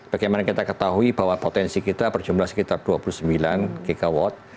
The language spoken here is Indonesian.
bagaimana kita ketahui bahwa potensi kita berjumlah sekitar dua puluh sembilan gigawatt